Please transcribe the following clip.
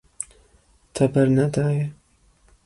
Te bernedaye.